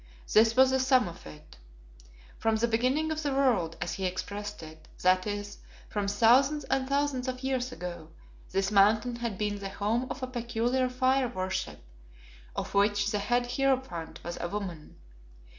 This was the sum of it From the beginning of the world, as he expressed it, that is, from thousands and thousands of years ago, this Mountain had been the home of a peculiar fire worship, of which the head heirophant was a woman.